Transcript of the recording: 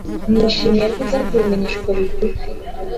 Nishimiye ko uza kubimenyeshwa bigufi.